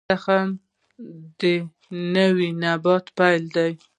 تخم د نوي نبات پیل دی